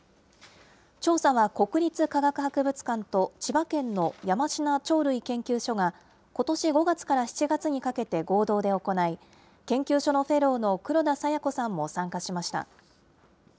調査は、国立科学博物館と千葉県の山階鳥類研究所が、ことし５月から７月にかけて合同で行い、研究所のフェローの黒田清子さんも参加しました。